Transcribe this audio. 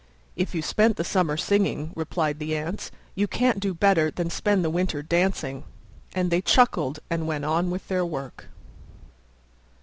"If you spent the summer singing," replied the Ants, "you can't do better than spend the winter dancing." And they chuckled and went on with their work.